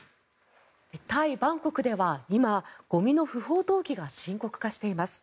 タイ・バンコクでは今、ゴミの不法投棄が深刻化しています。